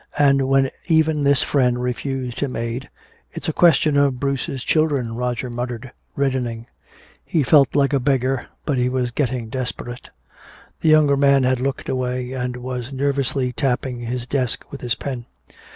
And when even this friend refused him aid, "It's a question of Bruce's children," Roger muttered, reddening. He felt like a beggar, but he was getting desperate. The younger man had looked away and was nervously tapping his desk with his pen.